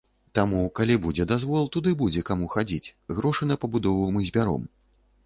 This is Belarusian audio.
Таму, калі будзе дазвол, туды будзе каму хадзіць, грошы на пабудову мы збяром.